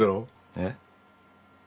えっ？